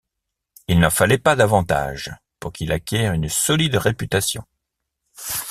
Il n'en fallait pas davantage pour qu'il acquière une solide réputation.